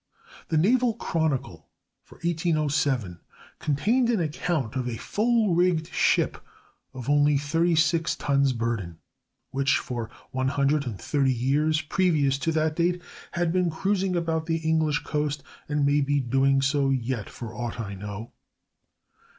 The "Naval Chronicle" for 1807 contained an account of a full rigged ship of only thirty six tons' burden, which for one hundred and thirty years previous to that date had been cruising about the English coast, and may be doing so yet, for aught I know.